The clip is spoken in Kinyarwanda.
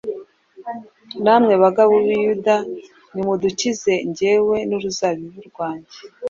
namwe bagabo b’i Buyuda nimudukize jyewe n’uruzabibu rwanjye.